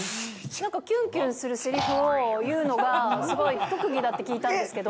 なんかきゅんきゅんするせりふを言うのが、すごい特技だって聞いたんですけど。